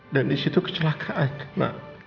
dan disitu kecelakaan